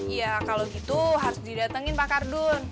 iya kalau gitu harus didatengin pak kardun